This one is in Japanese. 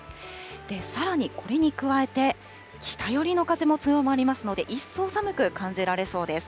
さらに、これに加えて、北寄りの風も強まりますので、一層寒く感じられそうです。